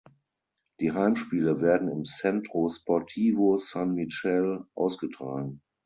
Die Heimspiele werden im Centro Sportivo San Michele ausgetragen.